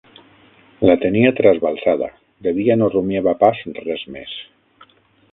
La tenia trasbalsada de dia no rumiava pas res més